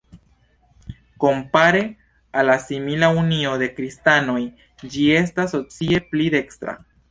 Kompare al la simila Unio de Kristanoj ĝi estas socie pli dekstra.